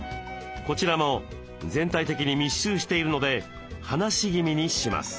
こちらも全体的に密集しているので離し気味にします。